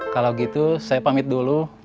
kalau gitu saya pamit dulu